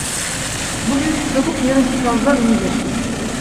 Bugünkü tavuk yarınki kazdan iyidir.